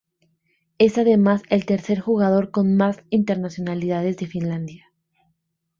Es además el tercer jugador con más internacionalidades de Finlandia.